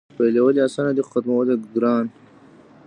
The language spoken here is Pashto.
پیلول یې اسان دي خو ختمول یې ګران.